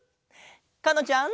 かのちゃん。